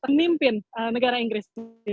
penimpin negara inggris